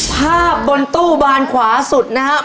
ภาพบนตู้บานขวาสุดนะครับ